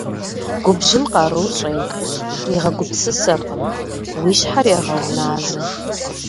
Губжьым къарур щӀех, уигъэгупсысэркъым, уи щхьэр егъэуназэ.